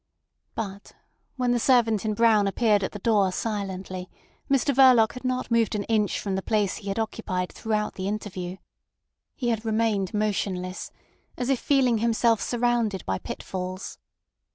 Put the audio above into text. But when the servant in brown appeared at the door silently, Mr Verloc had not moved an inch from the place he had occupied throughout the interview. He had remained motionless, as if feeling himself surrounded by pitfalls.